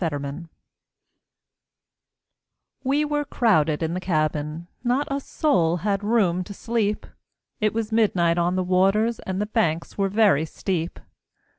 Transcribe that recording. Field] WE were crowded in the cabin, Not a soul had room to sleep; It was midnight on the waters, And the banks were very steep.